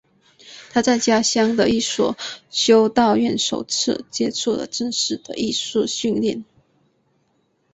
他在家乡的一所修道院首次接触了正式的艺术训练。